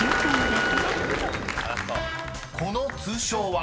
［この通称は？］